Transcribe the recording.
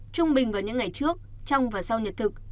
trung bình vào những ngày trước trong và sau nhật thực